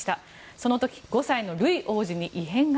その時５歳のルイ王子に異変が。